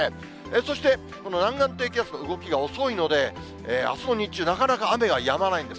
そして南岸低気圧の動きが遅いので、あすの日中、なかなか雨はやまないんです。